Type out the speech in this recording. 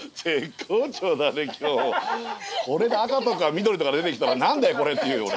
これで赤とか緑とか出てきたら「何だよこれ！」って言うよ俺。